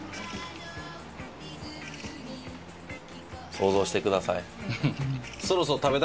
想像してください。